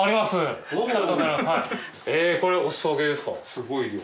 すごい量。